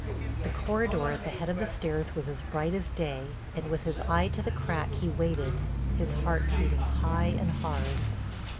The corridor at the head of the stairs was as bright as day and with his eye to the crack he waited, his heart beating high and hard.